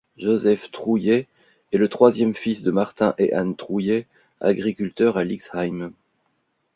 Joseph Trouillet est le troisième fils de Martin et Anne Trouillet, agriculteurs à Lixheim.